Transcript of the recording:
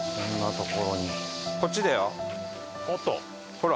ほら！